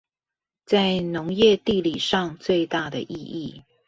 在農業地理上最大的意義